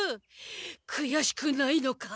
くやしくないのか？